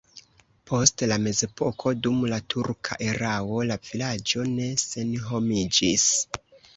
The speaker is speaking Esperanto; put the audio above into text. Post la mezepoko dum la turka erao la vilaĝo ne senhomiĝis.